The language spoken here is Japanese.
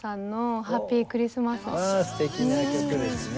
あすてきな曲ですね。